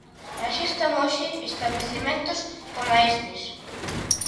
Así están hoxe establecementos coma estes.